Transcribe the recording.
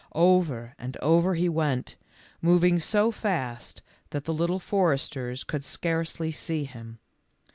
Over and over he went, moving so fast that the Little Foresters could scarcely see him.